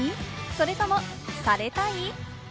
それとも、されたい？